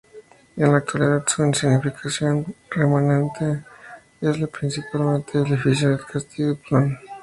En la actualidad, su significación remanente es principalmente el edificio del Castillo de Plön.